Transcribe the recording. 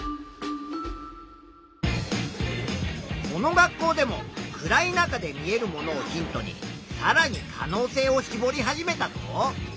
この学校でも暗い中で見えるものをヒントにさらに可能性をしぼり始めたぞ。